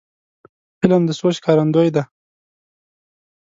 فلم د سوچ ښکارندوی دی